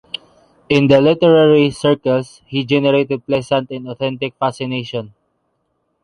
In the literary circles he generated pleasant and authentic fascination.